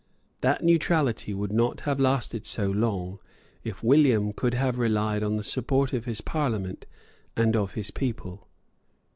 That neutrality would not have lasted so long, if William could have relied on the support of his Parliament and of his people.